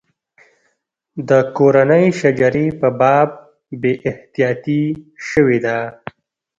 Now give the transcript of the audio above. د کورنۍ شجرې په باب بې احتیاطي شوې ده.